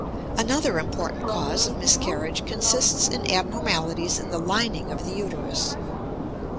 Another important cause of miscarriage consists in abnormalities in the lining of the uterus.